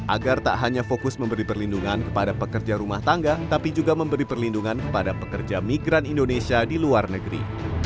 agar tak hanya fokus memberi perlindungan kepada pekerja rumah tangga tapi juga memberi perlindungan kepada pekerja migran indonesia di luar negeri